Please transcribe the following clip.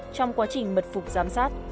trong quá trình mật phục giám sát